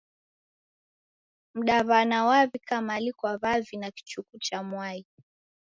Mdaw'ana waw'ika mali kwa w'avi na kichuku cha mwai.